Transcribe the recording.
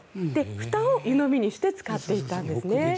ふたを湯飲みにして使っていたんですね。